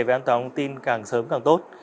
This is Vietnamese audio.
về an toàn an ninh càng sớm càng tốt